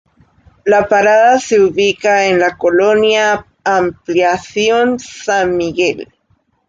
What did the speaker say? La parada se ubica en la colonia Ampliación San Miguel.